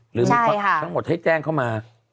หรือมีทั้งหมดให้แจ้งเข้ามา